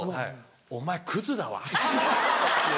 お前クズだわ。